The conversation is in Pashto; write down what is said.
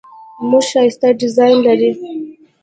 موټر ښایسته ډیزاین لري.